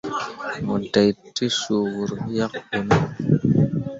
Mo ɗah tesũũ huro yak ɓene.